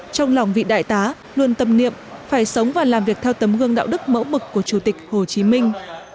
trong lòng vị đại tá luôn tâm niệm phải sống và làm việc theo tấm gương đạo đức mẫu mực của chủ tịch hồ chí minh